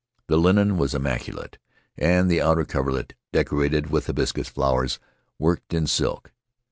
The linen was immaculate, and the outer coverlet decorated with hibiscus flowers worked in silk.